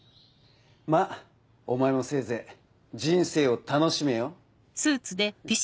まぁお前もせいぜい人生を楽しめよ。